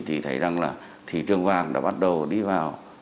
thì thấy rằng là thị trường vàng đã bắt đầu đi vào